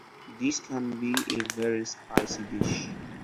This can be a very spicy dish.